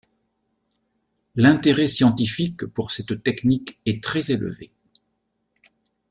L'intérêt scientifique pour cette technique est très élevé.